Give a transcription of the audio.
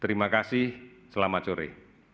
terima kasih selamat sore